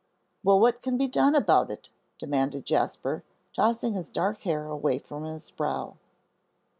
"Well, what can be done about it?" demanded Jasper tossing his dark hair away from his brow.